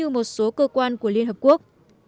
một số cơ quan của liên hợp quốc